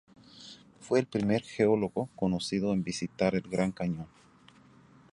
Fue el primer geólogo conocido en visitar el Gran Cañón.